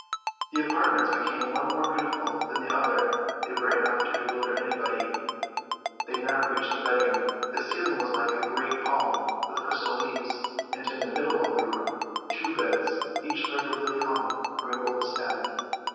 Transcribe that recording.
The apartments became one more beautiful than the other; they were enough to bewilder anybody. They now reached the bedroom. The ceiling was like a great palm with crystal leaves, and in the middle of the room two beds, each like a lily hung from a golden stem.